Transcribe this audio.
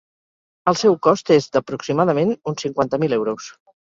El seu cost és d’aproximadament uns cinquanta mil euros.